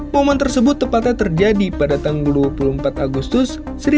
momen tersebut tepatnya terjadi pada tanggal dua puluh empat agustus seribu sembilan ratus empat puluh lima